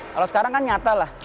kalau sekarang kan nyata lah